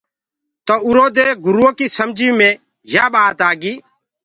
تو اُرو دي گُريو ڪي سمجي مي يآ ٻآت آگي۔